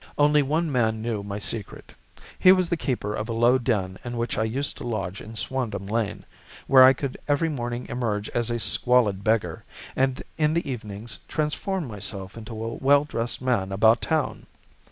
Only one man knew my secret. He was the keeper of a low den in which I used to lodge in Swandam Lane, where I could every morning emerge as a squalid beggar and in the evenings transform myself into a well dressed man about town.